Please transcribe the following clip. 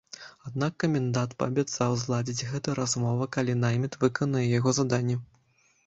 Аднак, камендант паабяцаў зладзіць гэты размова, калі найміт выканае яго заданне.